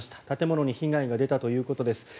建物に被害が出たということです。